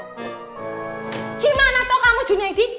gimana tuh kamu junyadi